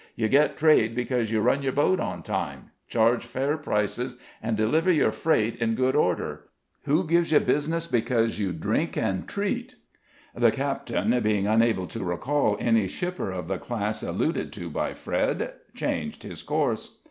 "You get trade because you run your boat on time, charge fair prices, and deliver your freight in good order. Who gives you business because you drink and treat?" The captain, being unable to recall any shipper of the class alluded to by Fred, changed his course.